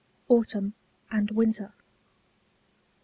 AUTUMN AND WINTER. I.